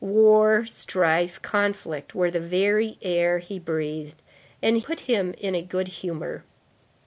War, strife, conflict, were the very air he breathed and put him in a good humor.